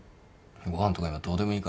ご飯とか今どうでもいいから。